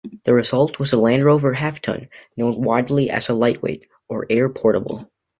The result was the Land Rover Half-Ton, known widely as the "Lightweight" or "Airportable".